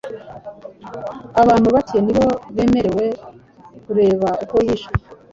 Abantu bake ni bo bemerewe kureba uko yishwe